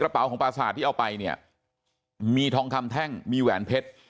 ครับปาศาจที่เอาไปเนี่ยมีทองค่ำแท่งมีแหวนเพชร